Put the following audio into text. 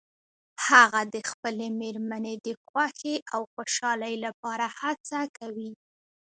هغه د خپلې مېرمنې د خوښې او خوشحالۍ لپاره هڅه کوي